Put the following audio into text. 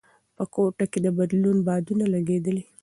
په کوټه کې د بدلون بادونه لګېدل.